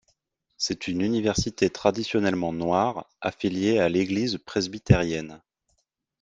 C'est une université traditionnellement noire, affilée à l'Église presbytérienne.